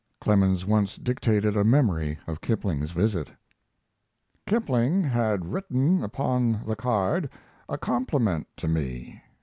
Clemens once dictated a memory of Kipling's visit. Kipling had written upon the card a compliment to me.